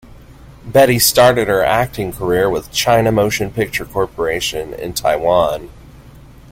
Betty started her acting career with "China Motion Picture Corporation" in Taiwan.